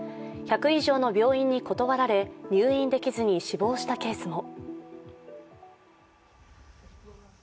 １００以上の病院に断られ、入院できずに死亡したケースも。